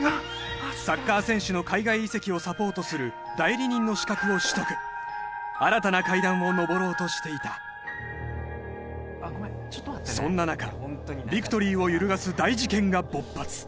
サッカー選手の海外移籍をサポートする代理人の資格を取得新たな階段を上ろうとしていたそんな中ビクトリーを揺るがす大事件が勃発